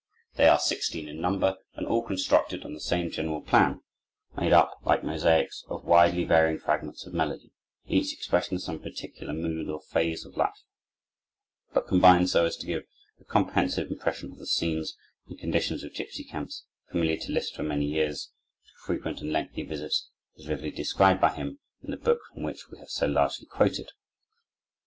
They are sixteen in number, and all constructed on the same general plan, made up, like mosaics, of widely varying fragments of melody, each expressing some particular mood or phase of life, but combined so as to give a comprehensive impression of the scenes and conditions of gipsy camps, familiar to Liszt for many years, through frequent and lengthy visits, as vividly described by him in the book from which we have so largely quoted.